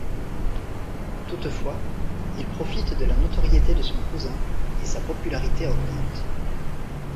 Toutefois il profite de la notoriété de son cousin et sa popularité augmente.